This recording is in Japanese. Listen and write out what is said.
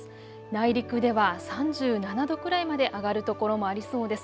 内陸では３７度くらいまで上がる所もありそうです。